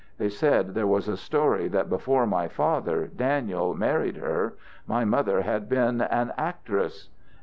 They said there was a story that before my father, Daniel, married her, my mother had been an actress.